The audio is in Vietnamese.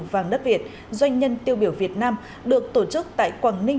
vàng đất việt doanh nhân tiêu biểu việt nam được tổ chức tại quảng ninh